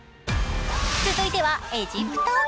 続いてはエジプト。